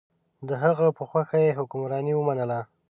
د هغه په خوښه یې حکمراني ومنله.